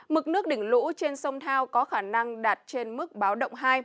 mực nước đỉnh lũ trên sông thao có khả năng đạt trên mức báo động hai